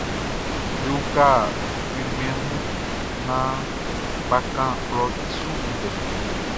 Be uka kpɛnngbɛn mun naan bʼa kan klɔʼn i su ndɛ.